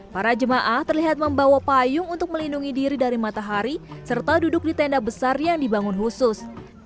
para jemaah terlihat membawa payung untuk melindungi diri dari matahari serta duduk di tenda besar yang dibangun khusus